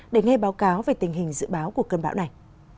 để nghe báo cáo về tình hình dự báo của cơn bão này